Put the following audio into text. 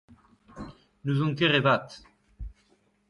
N’ouzon ket re vat.